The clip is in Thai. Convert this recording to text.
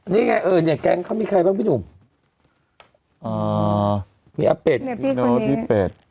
นี่ไงเออเนี่ยแก๊งเขามีใครบ้างพี่หนุ่มอ๋อมีอาเป็ดพี่โน๊ตพี่เป็ด